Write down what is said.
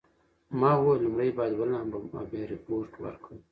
ما وویل لومړی باید ولامبم او بیا ریپورټ ورکړم.